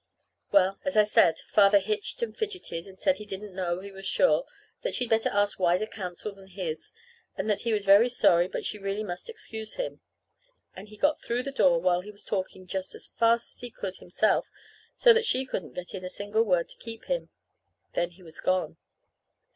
Well, as I said, Father hitched and fidgeted, and said he didn't know, he was sure; that she'd better take wiser counsel than his, and that he was very sorry, but she really must excuse him. And he got through the door while he was talking just as fast as he could himself, so that she couldn't get in a single word to keep him. Then he was gone.